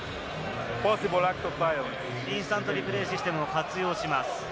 インスタントリプレイシステムを活用します。